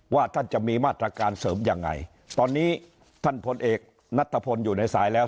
ว่าท่านจะมีมาตรการเสริมยังไงตอนนี้ท่านพลเอกนัทพลอยู่ในสายแล้ว